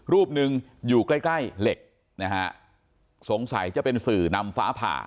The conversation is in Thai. รูปหนึ่งอยู่ใกล้ใกล้เหล็กนะฮะสงสัยจะเป็นสื่อนำฟ้าผ่า